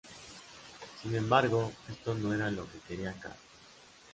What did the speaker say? Sin embargo, esto no era lo que quería Carl.